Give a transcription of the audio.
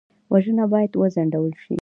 وژنه باید وځنډول شي